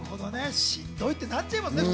しんどいってなっちゃいますもんね。